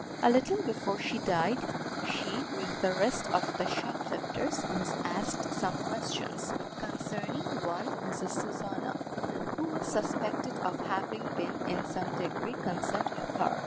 A little before she died, she, with the rest of the shoplifters, was asked some questions concerning one Mrs. Susanna, who was suspected of having been in some degree concerned with her.